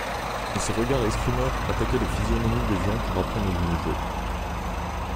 Et ses regards escrimeurs attaquaient les physionomies des gens pour apprendre du nouveau.